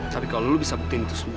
tapi kalau lo bisa buktiin itu semua